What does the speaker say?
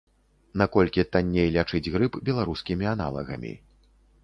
Наколькі танней лячыць грып беларускімі аналагамі.